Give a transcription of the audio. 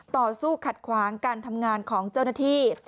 ต่อสู้ขัดขวางการทำงานของเจ้าหน้าที่